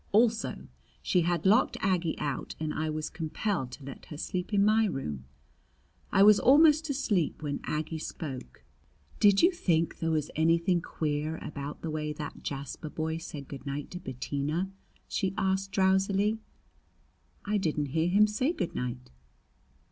Also she had locked Aggie out and I was compelled to let her sleep in my room. I was almost asleep when Aggie spoke: "Did you think there was anything queer about the way that Jasper boy said good night to Bettina?" she asked drowsily. "I didn't hear him say good night."